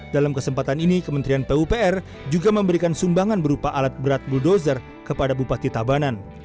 dalam kesempatan ini kementerian pupr juga memberikan sumbangan berupa alat berat buldozer kepada bupati tabanan